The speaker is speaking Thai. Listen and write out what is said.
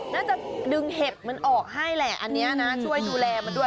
น่าจะดึงเห็บมันออกให้แหละอันนี้นะช่วยดูแลมันด้วย